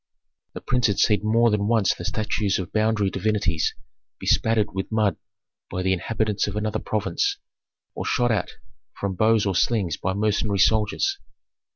The prince had seen more than once the statues of boundary divinities bespattered with mud by the inhabitants of another province, or shot at from bows or slings by mercenary soldiers.